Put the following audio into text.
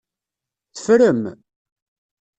Teffrem?